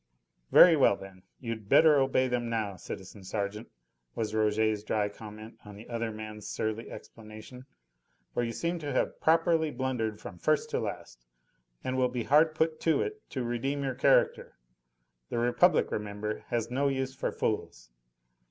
"Very well, then, you'd better obey them now, citizen sergeant," was Rouget's dry comment on the other man's surly explanation, "for you seem to have properly blundered from first to last, and will be hard put to it to redeem your character. The Republic, remember, has no use for fools."